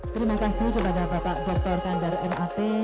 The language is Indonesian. terima kasih kepada bapak doktor kandar nap